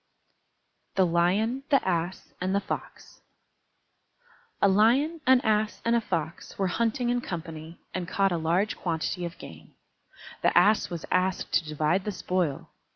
_ THE LION, THE ASS, AND THE FOX A Lion, an Ass, and a Fox were hunting in company, and caught a large quantity of game. The Ass was asked to divide the spoil.